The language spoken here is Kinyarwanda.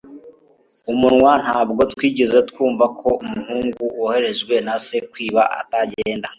umunwa. ntabwo twigeze twumva ko umuhungu woherejwe na se kwiba atagenda